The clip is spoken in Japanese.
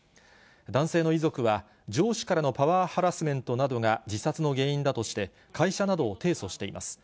男性の遺族は、上司からのパワーハラスメントなどが自殺の原因だとして、会社などを提訴しています。